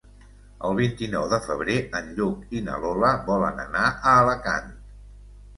El vint-i-nou de febrer en Lluc i na Lola volen anar a Alacant.